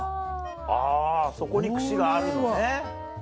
あぁそこに串があるのね。